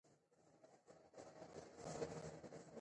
هغه یو ژور انساني پیغام لري.